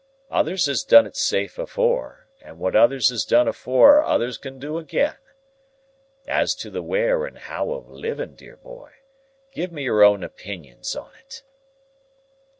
Others has done it safe afore, and what others has done afore, others can do agen. As to the where and how of living, dear boy, give me your own opinions on it."